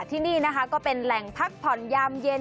ที่นี่นะคะก็เป็นแหล่งพักผ่อนยามเย็น